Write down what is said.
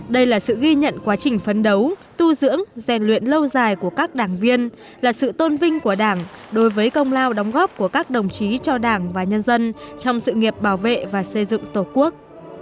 đây là sự ghi nhận quá trình phấn đấu tu dưỡng rèn luyện lâu dài của các đảng viên là sự tôn vinh của đảng đối với công lao đóng góp của các đồng chí cho đảng và nhân dân trong sự nghiệp bảo vệ và xây dựng tổ quốc